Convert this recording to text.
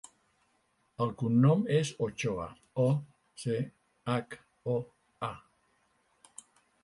El cognom és Ochoa: o, ce, hac, o, a.